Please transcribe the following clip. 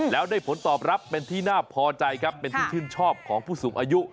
แล้วได้ผลตอบรับเป็นที่น่าพอใจครับเป็นที่ชื่นชอบของผู้สูงอายุ